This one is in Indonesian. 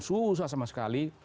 susah sama sekali